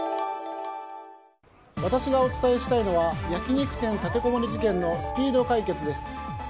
私がお伝えしたいのは焼き肉店の立てこもり事件のスピード解決です。